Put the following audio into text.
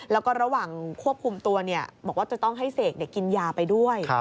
แล้วก็ระหว่างควบคุมตัวบอกว่าจะต้องให้เสกกินยาไปด้วย